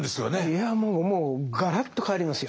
いやもうもうガラッと変わりますよ。